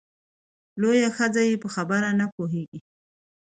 لویه ښځه یې په خبره نه پوهېږې !